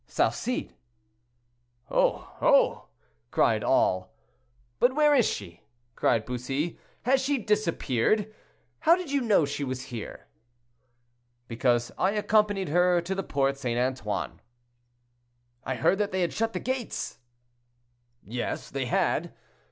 "Salcede." "Oh! oh!" cried all. "But where is she?" cried Bussy. "Has she disappeared? how did you know she was here?" "Because I accompanied her to the Porte St. Antoine." "I heard that they had shut the gates." "Yes, they had."